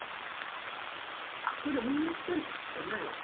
それを身につけるしかないよ。